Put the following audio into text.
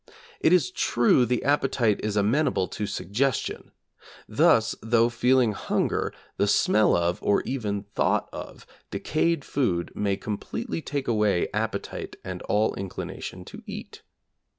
It is true the appetite is amenable to suggestion. Thus, though feeling hunger, the smell of, or even thought of, decayed food may completely take away appetite and all inclination to eat.